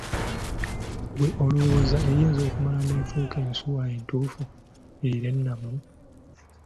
Ggwe olowooza eyinza okumala n'efuuka ensuuwa entuufu era ennamu?